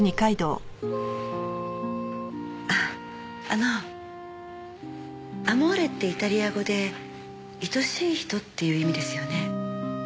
あの『アモーレ』ってイタリア語で「愛しい人」っていう意味ですよね？